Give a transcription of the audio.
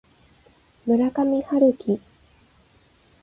村上春樹